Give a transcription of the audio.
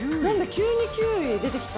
急にキウイ出てきた。